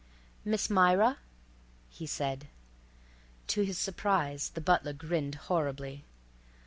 "Miss Myra," he said. To his surprise the butler grinned horribly.